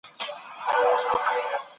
لیکوال د اخباري نثر اغېز یادوي.